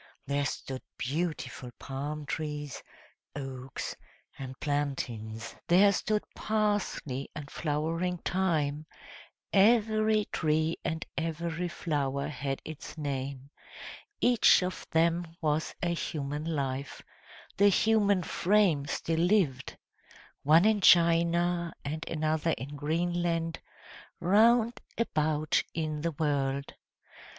There stood beautiful palm trees, oaks, and plantains; there stood parsley and flowering thyme: every tree and every flower had its name; each of them was a human life, the human frame still lived one in China, and another in Greenland round about in the world.